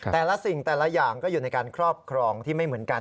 แต่ละสิ่งแต่ละอย่างก็อยู่ในการครอบครองที่ไม่เหมือนกัน